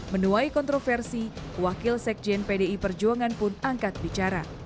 menuai kontroversi wakil sekjen pdi perjuangan pun angkat bicara